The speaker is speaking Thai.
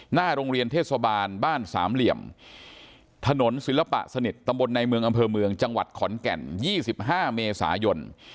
หน้าโรงเรียนเทศบาลบ้านสามเหลี่ยมถนนศิลปะสนิทตำบลในเมืองอำเภอเมืองจังหวัดขอนแก่น๒๕เมษายน